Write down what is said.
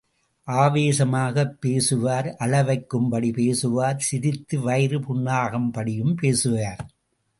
ஆவேசமாகப் பேசுவார் அழவைக்கும்படி பேசுவார் சிரித்து வயிறு புண்ணாகும்படியும் பேசுவார்.